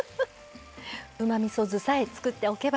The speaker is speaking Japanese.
うまみそ酢さえ作っておけば。